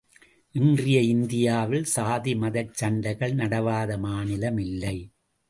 இன்றைய இந்தியாவில் சாதி, மதச் சண்டைகள் நடவாத மாநிலம் இல்லை.